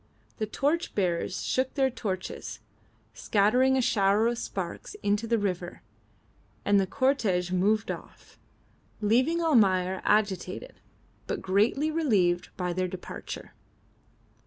The torch bearers shook their torches, scattering a shower of sparks into the river, and the cortege moved off, leaving Almayer agitated but greatly relieved by their departure.